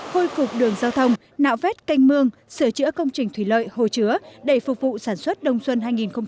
khôi cục đường giao thông nạo vét canh mương sửa chữa công trình thủy lợi hồ chứa đầy phục vụ sản xuất đông xuân hai nghìn một mươi sáu hai nghìn một mươi bảy